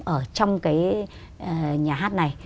ở trong cái nhà hát này